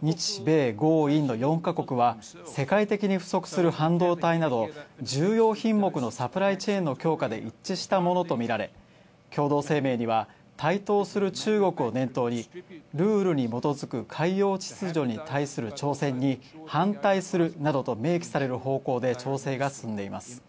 日米豪印の４ヵ国は、世界的に不足する半導体など重要品目のサプライチェーンの強化で一致したものとみられ、共同声明には台頭する中国を念頭に「ルールに基づく海洋秩序に対する挑戦に反対する」などと明記される方向で調整が進んでいます。